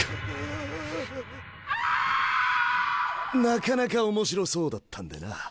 なかなか面白そうだったんでな。